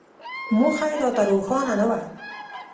موخه یې راته روښانه نه وه.